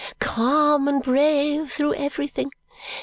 Calm and brave through everything.